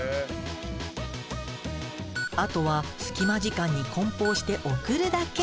後は隙間時間に梱包して送るだけ。